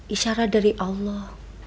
isyarat dari allah